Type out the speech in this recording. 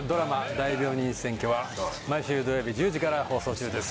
『大病院占拠』は毎週土曜日１０時から放送中です。